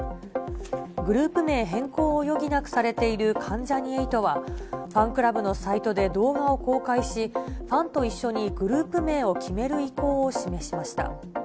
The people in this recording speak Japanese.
グループ名変更を余儀なくされている関ジャニ∞は、ファンクラブのサイトで動画を公開し、ファンと一緒にグループ名を決める意向を示しました。